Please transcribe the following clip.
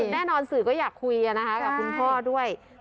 คือแน่นอนสื่อก็อยากคุยอะนะคะกับคุณพ่อด้วยใช่